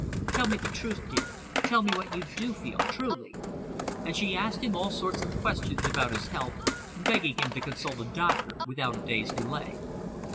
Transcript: "Tell me the truth, dear. Tell me what you do feel truly." And she asked him all sorts of questions about his health, begging him to consult a doctor without a day's delay.